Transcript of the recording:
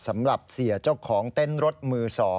สำหรับเสียเจ้าของเต้นรถมือ๒